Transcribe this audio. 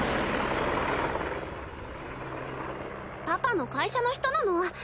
パパの会社の人なの。